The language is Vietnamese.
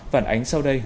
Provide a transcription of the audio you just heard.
vản ánh sau đây